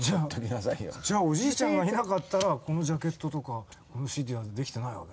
じゃあおじいちゃんがいなかったらこのジャケットとかＣＤは出来てないわけ？